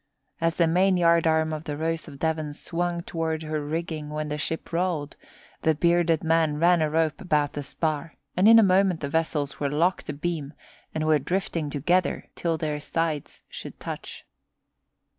As the main yardarm of the Rose of Devon swung toward her rigging when the ship rolled, the bearded man ran a rope about the spar and in a moment the vessels were locked abeam and were drifting together till their sides should touch.